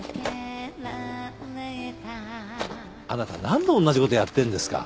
あなた何度おんなじことやってんですか？